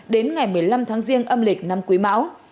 đến ngày một mươi năm tháng riêng âm lịch năm quý mão